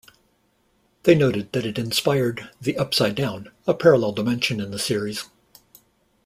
They noted that it inspired the Upside Down, a parallel dimension in the series.